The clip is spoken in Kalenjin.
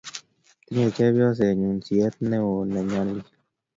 Tinye chepyosenyu siet ne yoo ne nyalil